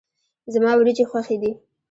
زما وريجي خوښي دي.